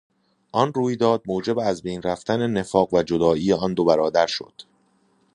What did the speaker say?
آن رویداد موجب از بین رفتن نفاق و جدایی آن دو برادر شد.